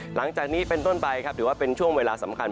หลังจากนี้เป็นต้นไปครับถือว่าเป็นช่วงเวลาสำคัญ